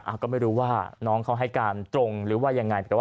ก็ไม่รู้ว่าน้องเขาให้การตรงหรือว่ายังไง